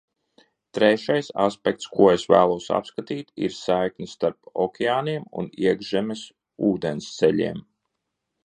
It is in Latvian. Trešais aspekts, ko es vēlos apskatīt, ir saikne starp okeāniem un iekšzemes ūdensceļiem.